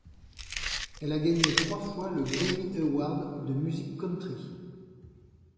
Elle a gagné trois fois le Grammy Award de musique country.